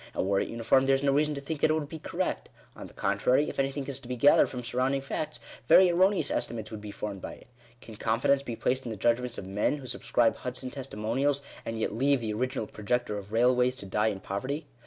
And were it uniform, there is no reason to think that it would be correct. On the contrary, if anything is to be gathered from surrounding facts, very erroneous estimates would be formed by it. Can confidence be placed in the judgments of men who subscribe Hudson testimonials, and yet leave the original projector of railways to die in poverty